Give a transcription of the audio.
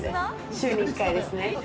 週に１回ですね。